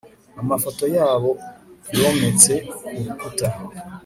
amafoto yabo yometse ku rukuta